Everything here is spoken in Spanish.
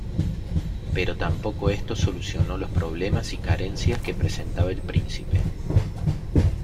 Pero tampoco esto solucionó los problemas y carencias que presentaba el príncipe.